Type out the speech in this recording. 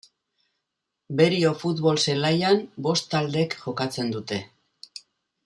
Berio Futbol zelaian bost taldek jokatzen dute.